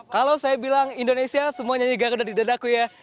kalau saya bilang indonesia semua nyanyi garuda di dadaku ya